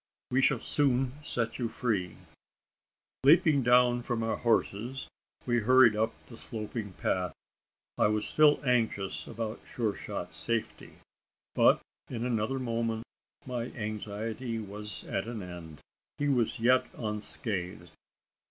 we shall soon set you free!" Leaping down from our horses, we hurried up the sloping path. I was still anxious about Sure shot's safety; but in another moment, my anxiety was at an end. He was yet unscathed.